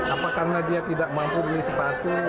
apa karena dia tidak mampu beli sepatu